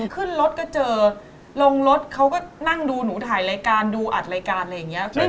ขึ้นรถก็เจอลงรถเขาก็นั่งดูหนูถ่ายรายการดูอัดรายการอะไรอย่างนี้